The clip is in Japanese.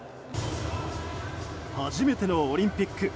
初めてのオリンピック。